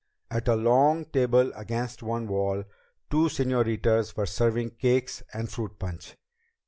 At a long table against one wall, two señoritas were serving cakes and fruit punch.